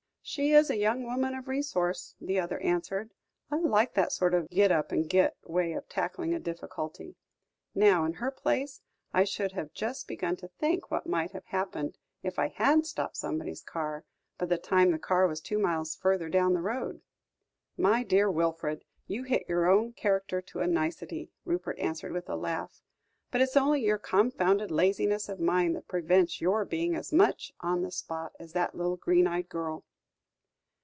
"She is a young woman of resource," the other answered. "I like that sort of 'git up and git' way of tackling a difficulty. Now, in her place, I should have just begun to think what might have happened if I had stopped somebody's car, by the time the car was two miles further down the road." "My dear Wilfred, you hit your own character to a nicety," Rupert answered with a laugh; "but it's only your confounded laziness of mind that prevents your being as much on the spot as that little green eyed girl."